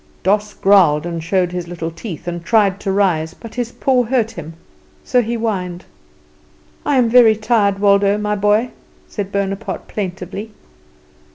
Doss growled and showed his little teeth, and tried to rise, but his paw hurt him so he whined. "I'm very tired, Waldo, my boy," said Bonaparte plaintively.